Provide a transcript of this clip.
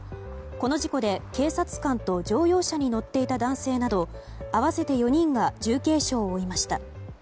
この事故で警察官と乗用車に乗っていた男性など合わせて４人が重軽傷を負いました。